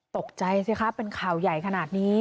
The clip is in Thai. ตกใจสิคะเป็นข่าวใหญ่ขนาดนี้